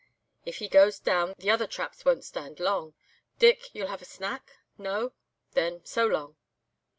If he goes down the other traps won't stand long. Dick, you'll have a snack? No? Then, so long.